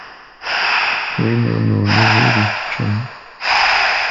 Win ur nuniz ur ikeččem.